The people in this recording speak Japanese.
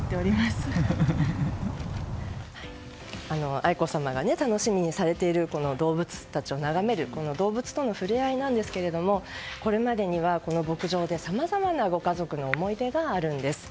愛子さまが楽しみにされている動物たちを眺める、動物との触れ合いなんですけれどもこれまでにはこの牧場でのさまざまなご家族の思い出があるんです。